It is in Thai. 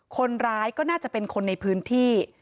คนร้ายก็น่าจะเป็นคนในพื้นที่